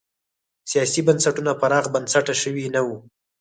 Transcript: سیاسي بنسټونه پراخ بنسټه شوي نه وو.